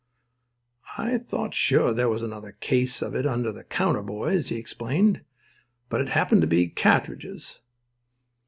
"I thought sure there was another case of it under the counter, boys," he explained. "But it happened to be catterdges."